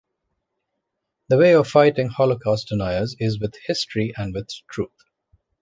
The way of fighting Holocaust deniers is with history and with truth.